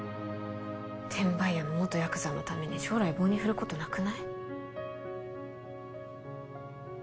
転売ヤーの元ヤクザのために将来棒に振ることなくない？